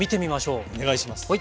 お願いします。